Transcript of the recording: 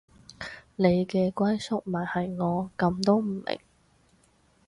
你嘅歸宿咪係我，噉都唔明